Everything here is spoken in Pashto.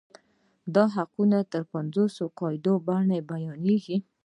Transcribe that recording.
دا حقوق د پنځو قاعدو په بڼه بیان کیږي.